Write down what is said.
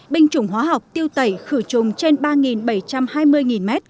binh chủng hóa học tiêu tẩy khử trùng trên ba bảy trăm hai mươi m